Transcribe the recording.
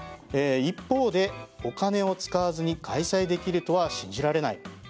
一方で、お金を使わずに開催できるとは信じられない。